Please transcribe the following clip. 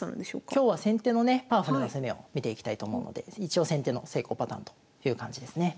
今日は先手のねパワフルな攻めを見ていきたいと思うので一応先手の成功パターンという感じですね。